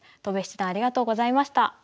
戸辺七段ありがとうございました。